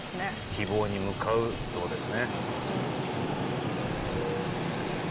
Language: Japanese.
希望に向かうところですね。